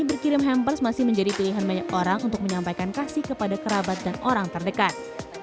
berkirim hampers masih menjadi pilihan banyak orang untuk menyampaikan kasih kepada kerabat dan orang terdekat